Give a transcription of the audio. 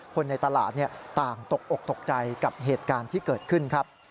คนในตลาดต่างตกอกตกใจกับเหตุการณ์ที่เกิดขึ้นครับ